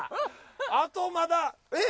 あとまだえっ？